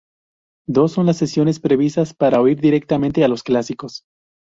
Dos son las sesiones previstas para oír directamente a los clásicos.